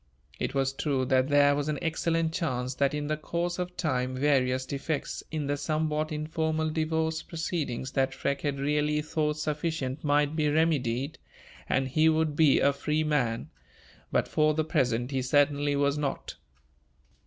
It was true that there was an excellent chance that in the course of time various defects in the somewhat informal divorce proceedings that Freke had really thought sufficient might be remedied, and he would be a free man; but, for the present, he certainly was not.